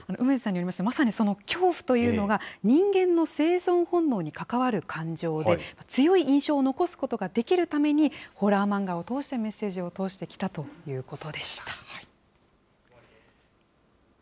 楳図さんによりますと、まさに恐怖というのが、人間の生存本能に関わる感情で、強い印象を残すことができるために、ホラー漫画を通してメッセージを届けていきたいということでした。